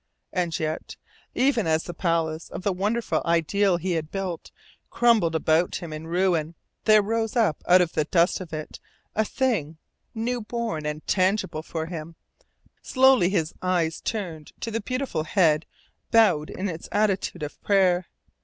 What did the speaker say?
And yet, even as the palace of the wonderful ideal he had builded crumbled about him in ruin, there rose up out of the dust of it a thing new born and tangible for him. Slowly his eyes turned to the beautiful head bowed in its attitude of prayer.